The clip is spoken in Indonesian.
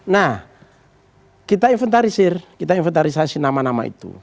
nah kita inventarisir kita inventarisasi nama nama itu